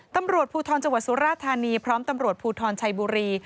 ตำรวจภูทรจังหวัดสุราธานีพร้อมตำรวจภูทรชัยบุรี